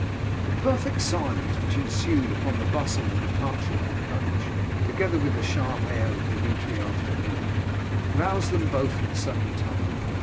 The perfect silence which ensued upon the bustle and departure of the coach, together with the sharp air of the wintry afternoon, roused them both at the same time.